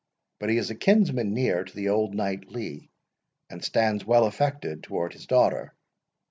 But he is a kinsman near to the old knight Lee, and stands well affected towards his daughter.